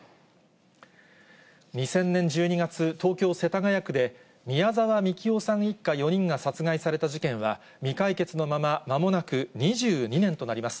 ２０００年１２月、東京・世田谷区で、宮沢みきおさん一家４人が殺害された事件は、未解決のまま、まもなく２２年となります。